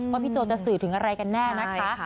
พี่โจจะสื่อถึงอะไรกันแน่นะคะ